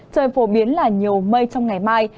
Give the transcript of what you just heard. trời phổ biến là nhiều mây trong ngày mai